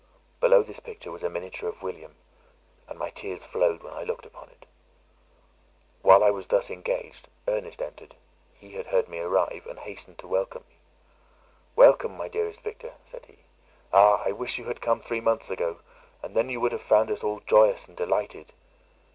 Below this picture was a miniature of William; and my tears flowed when I looked upon it. While I was thus engaged, Ernest entered: he had heard me arrive, and hastened to welcome me: "Welcome, my dearest Victor," said he. "Ah! I wish you had come three months ago, and then you would have found us all joyous and delighted.